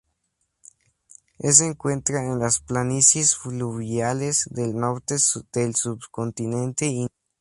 Es encuentra en las planicies fluviales del norte del subcontinente indio.